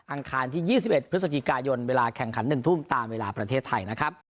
อาคารที่๒๑พฤศจิกายนเวลาแข่งขัน๑ทุ่มตามเวลาประเทศไทยนะครับ